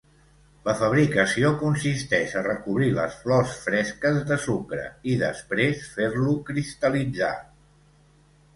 La fabricació consisteix a recobrir les flors fresques de sucre i després fer-lo cristal·litzar.